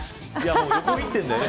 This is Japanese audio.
もう横切ってるんだよ